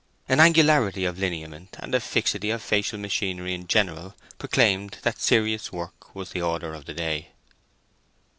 An angularity of lineament, and a fixity of facial machinery in general, proclaimed that serious work was the order of the day.